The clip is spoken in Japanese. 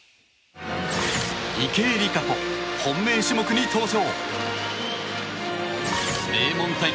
池江璃花子、本命種目に登場！